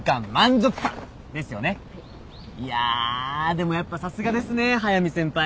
いやでもやっぱさすがですね速見先輩。